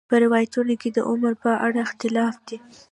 په روایاتو کې د عمر په اړه اختلاف دی.